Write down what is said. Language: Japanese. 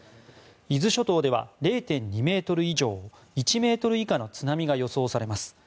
伊豆諸島では０．２ｍ以上１ｍ以下の津波が予想されます。